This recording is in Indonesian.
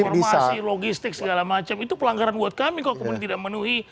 itu pelanggaran buat kami kok kemudian tidak memenuhi permintaan dari bawah seluruh betul